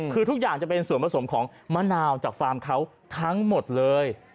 คือทุกอย่างจะเป็นส่วนผสมของมะนาวจากฟาร์มเขาทั้งหมดเลย